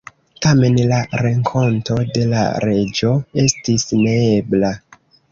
Tamen, la renkonto de la reĝo estis neebla.